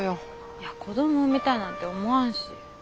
いや子供産みたいなんて思わんし。